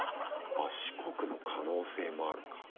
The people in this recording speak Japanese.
あっ四国の可能性もあるか。